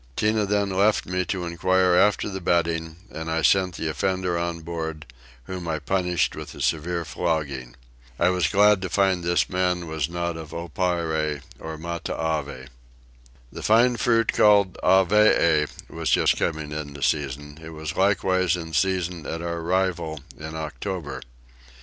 Tinah then left me to enquire after the bedding, and I sent the offender on board, whom I punished with a severe flogging. I was glad to find this man was not of Oparre or Matavai. The fine fruit called Avee was just coming into season: it was likewise in season at the time of our arrival in October.